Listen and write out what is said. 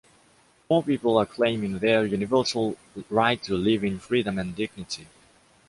More people are claiming their universal right to live in freedom and dignity.